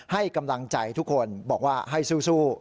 ให้กำลังใจทุกคนบอกว่าให้สู้